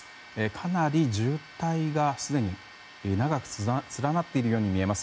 かなり渋滞がすでに長く連なっているように見えます。